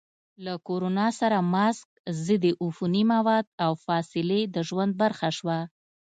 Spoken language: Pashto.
له کرونا سره ماسک، ضد عفوني مواد، او فاصلې د ژوند برخه شوه.